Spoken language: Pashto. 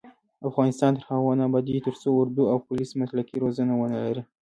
افغانستان تر هغو نه ابادیږي، ترڅو اردو او پولیس مسلکي روزنه ونه لري.